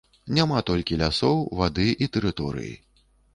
Няма толькі лясоў, вады і тэрыторыі.